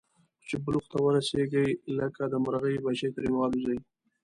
خو چې بلوغ ته ورسېږي، لکه د مرغۍ بچي ترې والوځي.